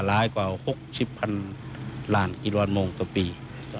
หลายกว่า๖๐๐๐๐ล้านกิโลาทมงต์ตอนนี้